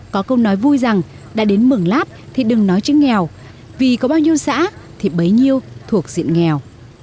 có câu nói vui rằng đã đến mường lát thì đừng nói chữ nghèo vì có bao nhiêu xã thì bấy nhiêu thuộc diện nghèo